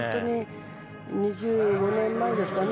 ２５年前ですかね。